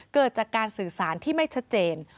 เกิดจากการสื่อสารที่ไม่ชัดเจน